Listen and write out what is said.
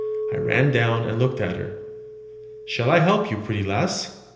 I ran down, and looked at her. "Shall I help you, pretty lass?"